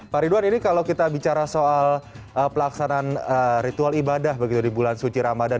pak ridwan ini kalau kita bicara soal pelaksanaan ritual ibadah begitu di bulan suci ramadan